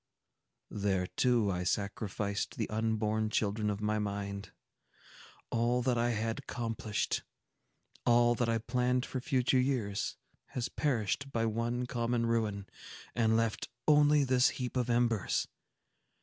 There, too, I sacrificed the unborn children of my mind. All that I had accomplished—all that I planned for future years—has perished by one common ruin, and left only this heap of embers!